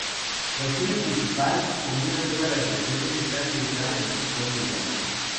La historia principal, común a todas las versiones, está ambientada en el Japón medieval.